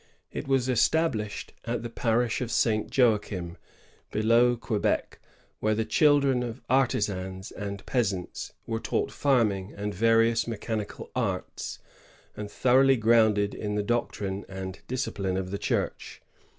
It was established at the parish of St. Joachim, below Quebec, where the children of artisans and peasants were taught farming and various mechanical arts, and thoroughly grounded in the doctrine and discipline of the Church.